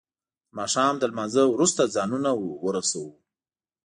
د ما ښام له لما نځه وروسته ځانونه ورسو.